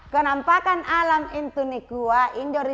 kenampakan alam intunikua indonesia